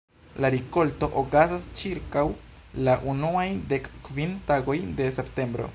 La rikolto okazas ĉirkaŭ la unuaj dek kvin tagoj de septembro.